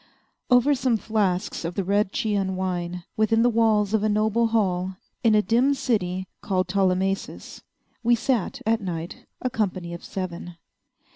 Over some flasks of the red Chian wine, within the walls of a noble hall, in a dim city called Ptolemais, we sat, at night, a company of seven.